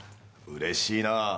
うれしいなあ。